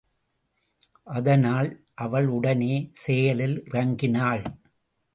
அதனால் அவள் உடனே செயலில் இறங்கினாள்.